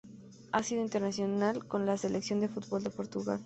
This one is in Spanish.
Ha sido internacional con la selección de fútbol de Portugal.